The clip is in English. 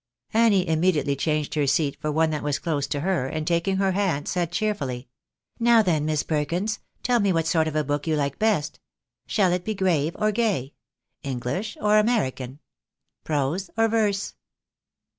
Annie immediately changed her seat for one that was close to her, and taking her hand, said, cheerfully —" Now then, Miss Perkins, tell me what sort of a book you Uke best. Shall it be grave or gay ? English or American ? Prose or verse